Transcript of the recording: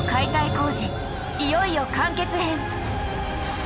いよいよ完結編！